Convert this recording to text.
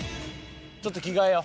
ちょっと着替えよう。